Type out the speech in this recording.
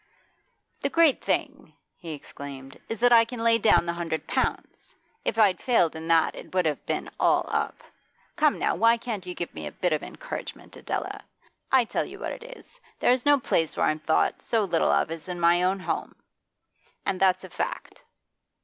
'The great thing,' he exclaimed, 'is that I can lay down the hundred pounds! If I'd failed in that it would have been all up. Come, now, why can't you give me a bit of encouragement, Adela? I tell you what it is. There's no place where I'm thought so little of as in my own home, and that's a fact.